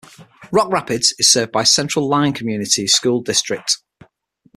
Rock Rapids is served by the Central Lyon Community School District.